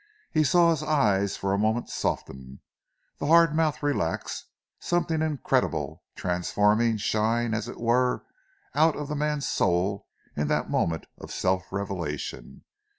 He saw his eyes for a moment soften, the hard mouth relax, something incredible, transforming, shine, as it were, out of the man's soul in that moment of self revelation.